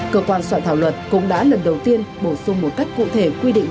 cơ quan soạn thảo luật cũng đã lần đầu tiên bổ sung một cách cụ thể quy định